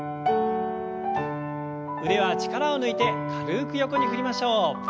腕は力を抜いて軽く横に振りましょう。